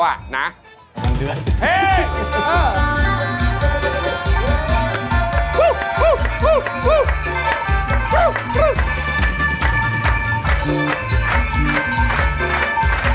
มานานเดือน